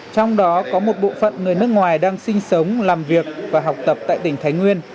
trong đó có một bộ phận người nước ngoài đang sinh sống làm việc và học tập tại tỉnh thái nguyên